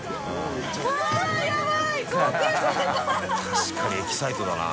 確かにエキサイトだな。